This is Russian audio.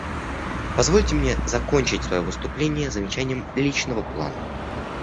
Позвольте мне закончить свое выступление замечанием личного плана.